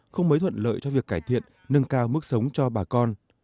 không mới thuận lợi cho việc cải thiện nâng cao mức sống cho bà con